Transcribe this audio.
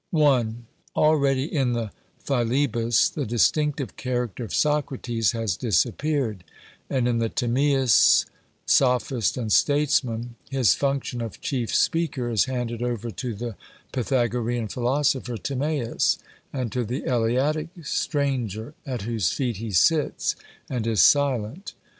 I. Already in the Philebus the distinctive character of Socrates has disappeared; and in the Timaeus, Sophist, and Statesman his function of chief speaker is handed over to the Pythagorean philosopher Timaeus, and to the Eleatic Stranger, at whose feet he sits, and is silent.